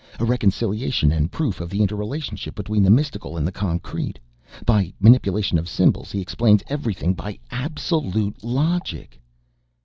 A reconciliation and proof of the interrelationship between the Mystical and the Concrete. By manipulation of symbols he explains everything by absolute logic."